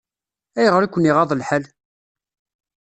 Ayɣer i ken-iɣaḍ lḥal?